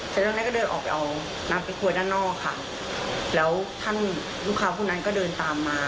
ตอนแรกก็เดินออกไปเอาน้ำไปครัวด้านนอกค่ะแล้วท่านลูกค้าผู้นั้นก็เดินตามมา